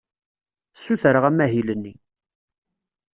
Ssutreɣ amahil-nni.